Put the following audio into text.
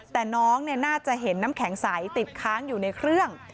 แต่น้องน่าจะเห็นน้ำแข็งใสติดค้างอยู่ในเครื่อง